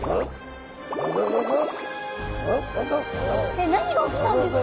えっ何が起きたんですか？